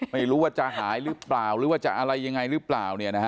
ไม่รู้ว่าจะหายหรือเปล่าหรือว่าจะอะไรยังไงหรือเปล่า